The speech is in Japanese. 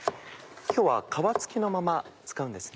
今日は皮付きのまま使うんですね。